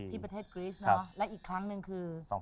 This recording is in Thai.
ที่ประเทศกรีสเนอะและอีกครั้งหนึ่งคือ